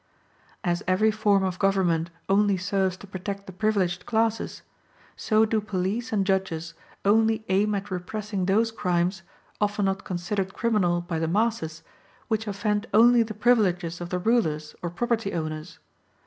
As every form of government only serves to protect the privileged classes, so do police and judges only aim at repressing those crimes, often not considered criminal by the masses, which offend only the privileges of the rulers or property owners.